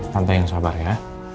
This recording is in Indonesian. tante yang sabar ya